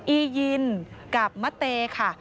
อียินกับมะเตค่ะ